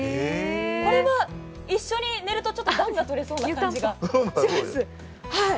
これは一緒に寝ると、ちょっと暖が取れそうな感じです。